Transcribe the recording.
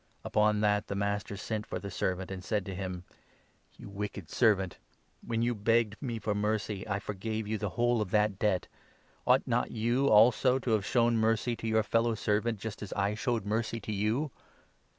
Upon that the master sent for the servant, 32 and said to him ' You wicked servant ! When you begged me for mercy, I forgave you the whole of that debt. Ought 33 not you, also, to have shown mercy to your fellow servant, just as I showed mercy to you